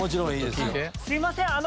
すいません！